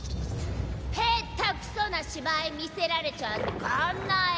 下手くそな芝居見せられちゃってガン萎え。